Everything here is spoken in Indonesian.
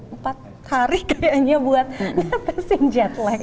empat hari kayaknya buat ngetesin jetlag